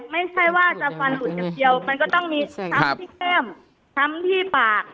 ถ้าจะฟันหลุดสิบเดียวมันก็ต้องมีช้ำที่แก้มช้ำที่ปาก